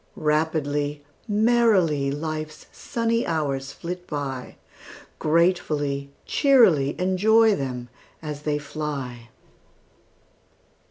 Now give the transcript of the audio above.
Rapidly, merrily, Life's sunny hours flit by, Gratefully, cheerily Enjoy them as they fly!